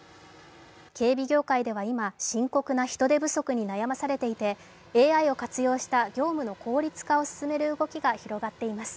警備業界では今、深刻な人手不足に悩まされていてＡＩを活用した業務の効率化を進める動きが広がっています。